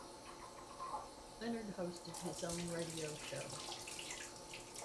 Leonard hosted his own radio show.